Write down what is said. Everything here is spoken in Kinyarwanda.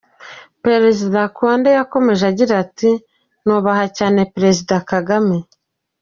Perezida Condé yakomeje agira ati ‘‘Nubaha cyane Perezida Kagame.